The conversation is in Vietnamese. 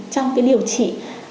trong cái điều trị